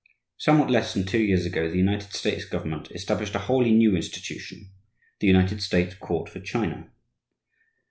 Somewhat less than two years ago the United States government established a wholly new institution, the United States Court for China.